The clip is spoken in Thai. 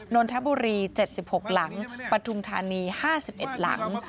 นนทบุรี๗๖หลังปฐุมธานี๕๑หลัง